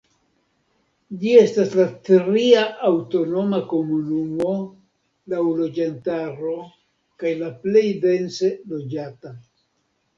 Ĝi estas la tria aŭtonoma komunumo laŭ loĝantaro kaj la plej dense loĝata.